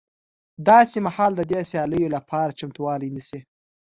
داسې مهال د دې سیالیو لپاره چمتوالی نیسي